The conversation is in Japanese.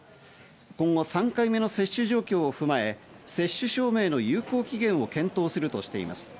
今後３回目の接種状況を踏まえ、接種証明の有効期限を検討するとしています。